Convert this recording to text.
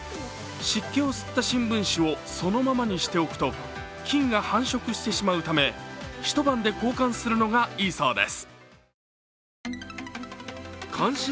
湿気を吸った新聞紙をそのままにしておくと菌が繁殖してしまうため、一晩で交換するのがいいそうです。